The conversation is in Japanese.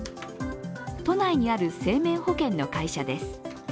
都内にある生命保険の会社です。